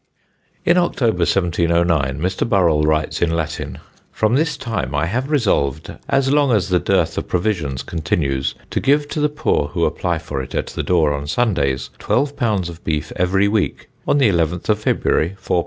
In October, 1709, Mr. Burrell writes in Latin: "From this time I have resolved, as long as the dearth of provisions continues, to give to the poor who apply for it at the door on Sundays, twelve pounds of beef every week, on the 11th of February 4lbs.